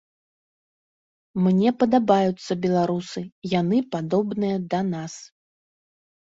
Мне падабаюцца беларусы, яны падобныя да нас.